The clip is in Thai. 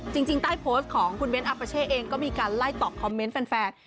จริงใต้โพสต์ของคุณเบ้นอัปเช่เองก็มีการไล่ตอบคอมเมนต์แฟน